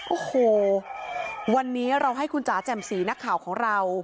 โอ้โหวันนี้เราให้คุณจ๋าแจ่มสีนักข่าวของเรา